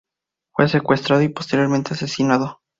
Fue secuestrado y posteriormente asesinado.